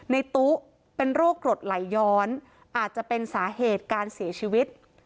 ในตู้เป็นโรคกรดไหลย้อนอาจจะเป็นสาเหตุการเสียชีวิต